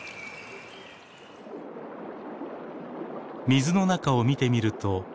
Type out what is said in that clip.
水の中を見てみると。